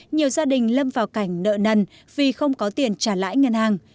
nhiều gia đình lâm vào cảnh nợ nần vì không có tiền trả lãi ngân hàng